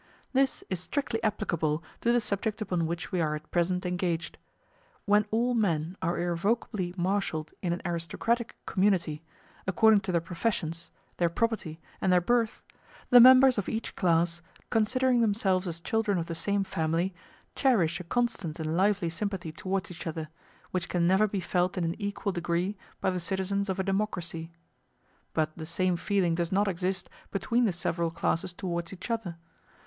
This is strictly applicable to the subject upon which we are at present engaged. When all men are irrevocably marshalled in an aristocratic community, according to their professions, their property, and their birth, the members of each class, considering themselves as children of the same family, cherish a constant and lively sympathy towards each other, which can never be felt in an equal degree by the citizens of a democracy. But the same feeling does not exist between the several classes towards each other.